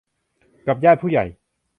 กับญาติผู้ใหญ่